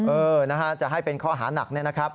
เออนะฮะจะให้เป็นข้อหานักเนี่ยนะครับ